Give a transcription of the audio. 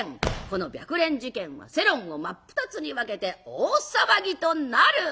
この白蓮事件は世論を真っ二つに分けて大騒ぎとなる。